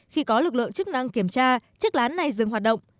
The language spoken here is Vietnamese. khi có lực lượng chức năng kiểm tra chiếc lán này dừng hoạt động